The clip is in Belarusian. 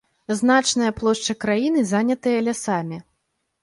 Значныя плошчы краіны занятыя лясамі.